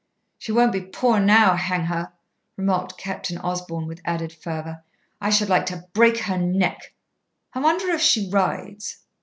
"She won't be poor now, hang her!" remarked Captain Osborn with added fervour. "I should like to break her neck! I wonder if she rides?"